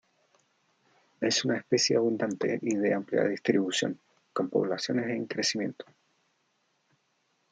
Es una especie abundante y de amplia distribución, con poblaciones en crecimiento.